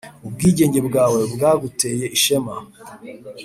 ubwigenge bwawe bwaguteye ishema